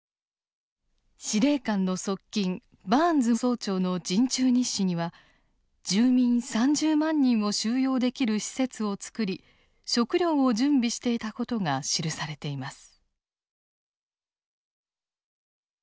司令官の側近バーンズ曹長の陣中日誌には住民３０万人を収容できる施設を作り食糧を準備していた事が記されています。